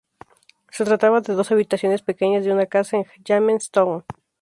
Se trataba de dos habitaciones pequeñas de una casa en Jamestown.